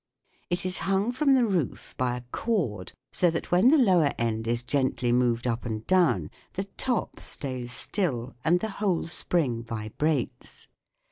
It is hung from the roof by a cord so that when t 4 the lower end is gently moved up and down the top stays still and the whole spring vibrates.